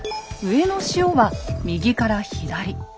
上の潮は右から左。